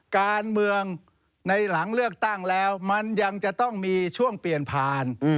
การเมืองในหลังเลือกตั้งแล้วมันยังจะต้องมีช่วงเปลี่ยนผ่าน